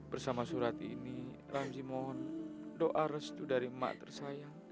bersama surat ini ramli mohon doa restu dari emak tersayang